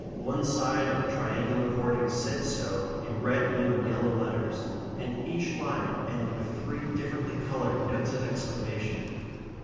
One side of the triangular hoarding said so in red, blue, and yellow letters; and each line ended with three differently coloured notes of exclamation.